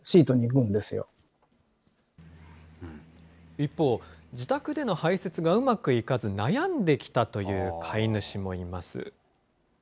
一方、自宅での排せつがうまくいかず、悩んできたという飼い主もいます。